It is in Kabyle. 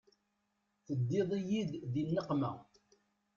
Teddiḍ-iyi di nneqma.